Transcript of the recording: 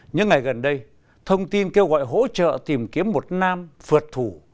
những ngày gần đây thông tin kêu gọi hỗ trợ tìm kiếm một nam phượt thủ